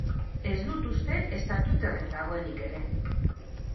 Ez dut uste ezta Twitterren dagoenik ere.